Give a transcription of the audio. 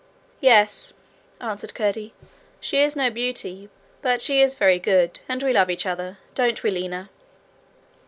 'Yes,' answered Curdie. 'She is no beauty, but she is very good, and we love each other. Don't we, Lina?'